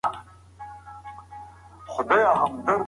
بایسکل چلول د بدن انرژي مصرفوي.